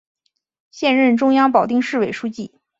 现任中共保定市委书记。